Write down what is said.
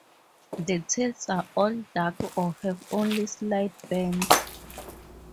The tails are all-dark or have only slight bands.